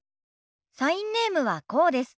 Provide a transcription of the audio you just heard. サインネームはこうです。